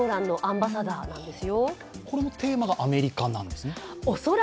これもテーマがアメリカなんですね？